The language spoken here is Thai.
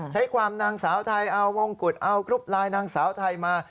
ใช้ความนางสาวไทยเอาวงกุฎเอากรุ๊ปไลน์นางสาวไทยมา